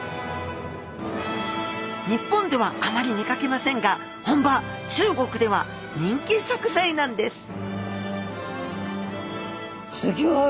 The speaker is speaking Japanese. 日本ではあまり見かけませんが本場中国では人気食材なんですすギョい。